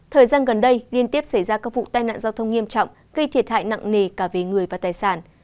thời gian gần đây liên tiếp xảy ra các vụ tai nạn giao thông nghiêm trọng gây thiệt hại nặng nề cả về người và tài sản